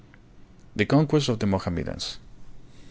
The Conquests of the Mohammedans.